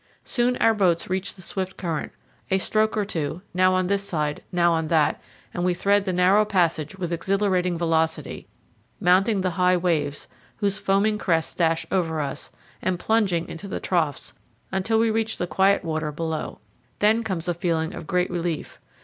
Soon our boats reach the swift current; a stroke or two, now on this. side, now on that, and we thread the narrow passage with exhilarating Velocity, mounting the high waves, whose foaming crests dash over us, and plunging into the troughs, until we reach the quiet water below. Then comes a feeling of great relief.